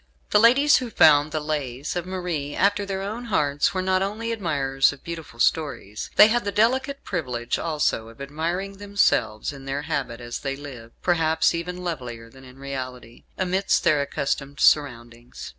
The ladies who found the "Lays" of Marie after their own hearts were not only admirers of beautiful stories; they had the delicate privilege also of admiring themselves in their habit as they lived perhaps even lovelier than in reality amidst their accustomed surroundings.